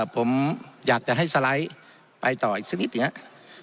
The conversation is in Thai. ผมอยากจะให้สไลด์ไปต่ออีกสักนิดหนึ่งครับ